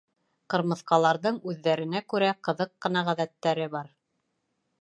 Ҡырмыҫҡаларҙың үҙҙәренә күрә ҡыҙыҡ ҡына ғәҙәттәре бар.